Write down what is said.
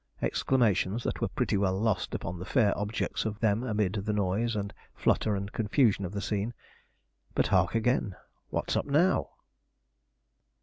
exclamations that were pretty well lost upon the fair objects of them amid the noise and flutter and confusion of the scene. But hark again! What's up now?